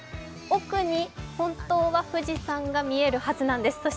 奥に本当は富士山が見えるはずなんです。